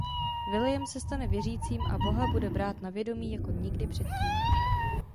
William se stane věřícím a boha bude brát na vědomí jako nikdy před tím.